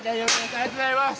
ありがとうございます！